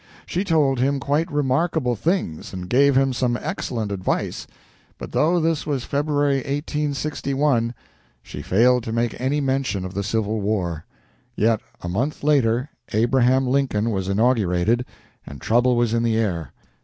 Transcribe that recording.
She told him quite remarkable things, and gave him some excellent advice, but though this was February, 1861, she failed to make any mention of the Civil War! Yet, a month later, Abraham Lincoln was inaugurated and trouble was in the air.